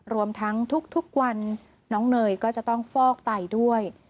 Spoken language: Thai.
รวมทั้งทุกวันน้องเนยก็จะต้องฟอกไตด้วย